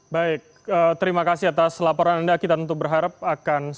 baik terima kasih atas laporan anda kita tentu berharap akan segera